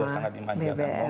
sudah sangat dimanjakan